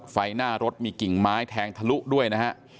ไฟหน้ารถมีกิ่งไม้แทงทะลุด้วยนะฮะ